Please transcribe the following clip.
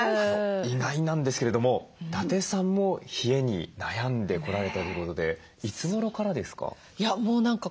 意外なんですけれども伊達さんも冷えに悩んでこられたということでいつごろからですか？